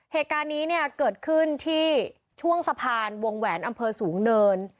เหตุการณ์นี้เนี่ยเกิดขึ้นที่ช่วงสะพานวงแหวนอำเภอสูงเนิน